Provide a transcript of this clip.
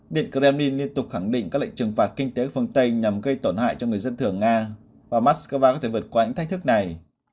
điện kremlin liên tục khẳng định các lệnh trừng phạt kinh tế ở phương tây nhằm gây tổn hại cho người dân thưởng nga và moscow có thể vượt qua những thách thức này